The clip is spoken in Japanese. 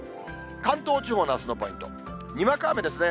関東地方のあすのポイント、にわか雨ですね。